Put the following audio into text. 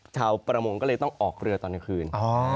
ชาวประมงก็เลยต้องออกเรือตอนกลางคืน